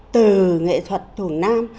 từ nghệ thuật tuồng nam